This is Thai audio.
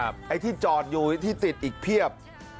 ไอ้ที่จอดอยู่ที่ติดอีกเพียบ